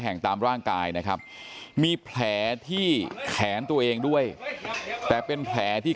แห่งตามร่างกายนะครับมีแผลที่แขนตัวเองด้วยแต่เป็นแผลที่